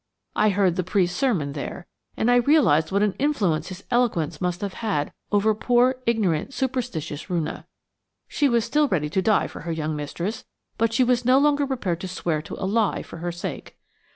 I heard the priest's sermon there, and I realised what an influence his eloquence must have had over poor, ignorant, superstitious Roonah. She was still ready to die for her young mistress, but she was no longer prepared to swear to a lie for her sake.